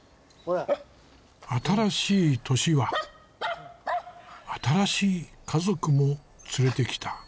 新しい年は新しい家族も連れてきた。